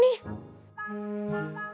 nanti aku nunggu